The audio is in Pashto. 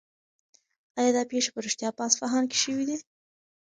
آیا دا پېښې په رښتیا په اصفهان کې شوې دي؟